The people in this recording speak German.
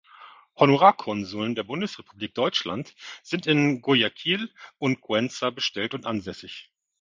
Honorarkonsuln der Bundesrepublik Deutschland sind in Guayaquil und Cuenca bestellt und ansässig.